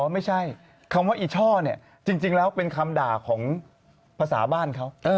ไม่ใช่คำว่าอีช่อเนี่ยจริงแล้วเป็นคำด่าของภาษาบ้านเขา